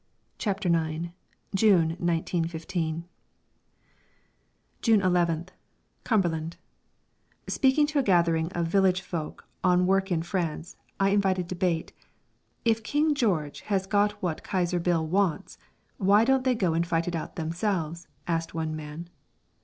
CHAPTER IX June, 1915 June 11th Cumberland. Speaking to a gathering of village folk on work in France, I invited debate. "If King George 'as got wot Kaiser Bill wants, why don't they go and fight it out themselves?" asked one man.